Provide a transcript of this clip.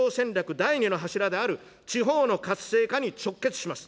第２の柱である地方の活性化に直結します。